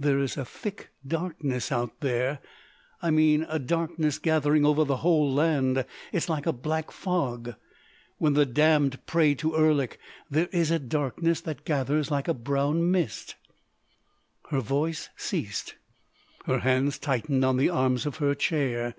There is a thick darkness out there—I mean a darkness gathering over the whole land. It is like a black fog. When the damned pray to Erlik there is a darkness that gathers like a brown mist——" Her voice ceased; her hands tightened on the arms of her chair.